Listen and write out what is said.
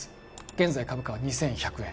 現在株価は２１００円